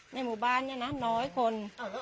ในหมู่บ้านเนี่ยนะน้อยคน